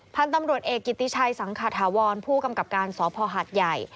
พันธุ์ตำรวจเอกกิติชัยสังขาถาวรผู้กำกับการสพหัดใหญ่